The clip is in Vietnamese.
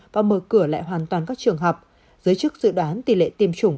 và mở cửa lại hoàn toàn các trường học giới chức dự đoán tỷ lệ tiêm chủng